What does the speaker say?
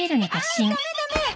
あダメダメ！